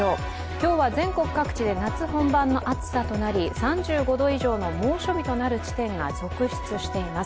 今日は全国各地で夏本番の暑さとなり、３５度以上の猛暑日となる地点が続出しています。